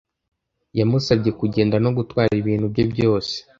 Yamusabye kugenda no gutwara ibintu bye byose.